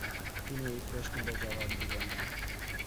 তিনি এই প্রশ্নেরও জবাব দিলেন না।